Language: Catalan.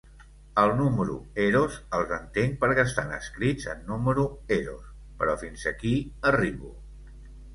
Els número eros els entenc perquè estan escrits en número eros, però fins aquí arribo.